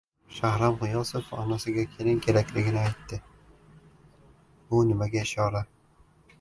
Shahram G‘iyosov onasiga kelin kerakligini aytdi. Bu nimaga ishora?